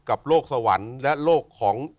กับโลกสวรรค์และโลกของ